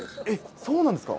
そうなんですか。